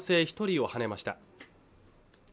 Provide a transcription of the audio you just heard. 一人をはねました